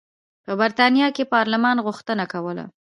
په برېټانیا کې پارلمان غوښتنه کوله.